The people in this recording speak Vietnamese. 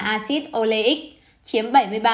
acid oleic chiếm bảy mươi ba